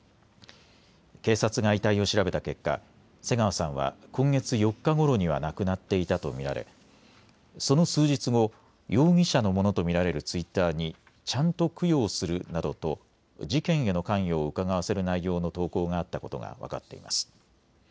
警察が遺体を調べた結果、瀬川さんは今月４日ごろには亡くなっていたと見られその数日後、容疑者のものと見られるツイッターにちゃんと供養するなどと事件への関与をうかがわせる内容の投稿があったことが分かっています。